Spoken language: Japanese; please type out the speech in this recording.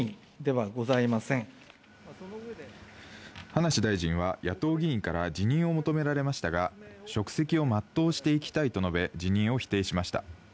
葉梨大臣は野党議員から辞任を求められましたが、職責を全うしていきたいと述べ、辞任を否定しました。